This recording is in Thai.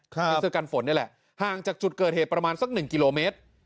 เสื้อกันฝนนี่แหละห่างจากจุดเกิดเหตุประมาณสักหนึ่งกิโลเมตร